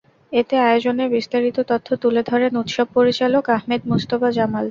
এতে আয়োজনের বিস্তারিত তথ্য তুলে ধরেন উৎসব পরিচালক আহমেদ মুজতবা জামাল।